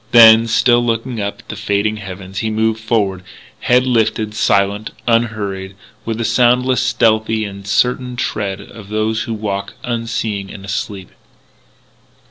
Then, still looking up at the fading heavens, he moved forward, head lifted, silent, unhurried, with the soundless, stealthy, and certain tread of those who walk unseeing and asleep.